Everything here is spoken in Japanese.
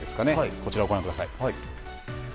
こちらをご覧ください。